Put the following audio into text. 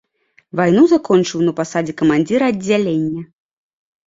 Вайну закончыў на пасадзе камандзіра аддзялення.